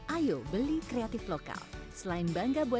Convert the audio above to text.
ayo beli kreatifitas lokal lainnya